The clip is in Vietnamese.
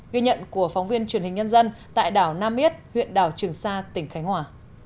ghi nhận của phóng viên truyền hình nhân dân tại đảo nam yết huyện đảo trường sa tỉnh khánh hòa